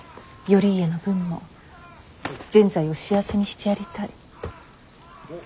頼家の分も善哉を幸せにしてやりたい。